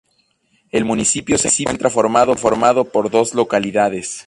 El municipio se encuentra formado por dos localidades.